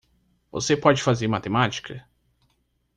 Você pode fazer matemática?